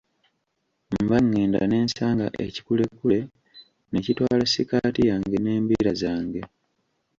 Mba ngenda ne nsanga ekikulekule ne kitwala sikaati yange n'embira zange.